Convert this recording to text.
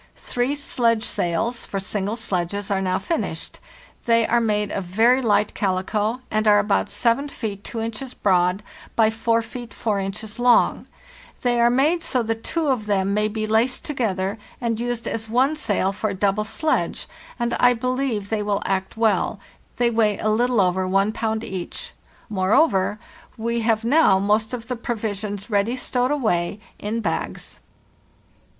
Three sledge sails (for single sledges) are now finished; they are made of very light calico, and are about 7 feet 2 inches broad by 4 feet 4 inches long; they are made so that two of them may be laced together and used as one sail for a double sledge, and I believe they will act well; they weigh a little over one pound each. Moreover, we have now most of the provisions ready stowed away in " bags.